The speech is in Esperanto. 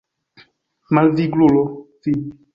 Malviglulo vi!